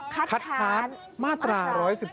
คัดค้านมาตรา๑๑๒